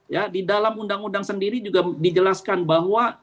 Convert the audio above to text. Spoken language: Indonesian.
ya di dalam undang undang sendiri juga dijelaskan bahwa